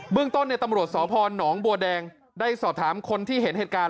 เรื่องต้นตำรวจสพหนองบัวแดงได้สอบถามคนที่เห็นเหตุการณ์